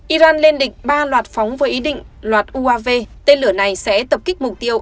iran lên địch ba loạt phóng với ý định loạt uav tên lửa này sẽ tập kích mục tiêu